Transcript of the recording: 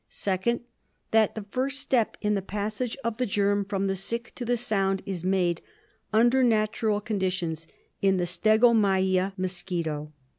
Second, that the first step in the passage of the germ from the sick to the sound is made, under natural conditions, in the stegomyia mosquito.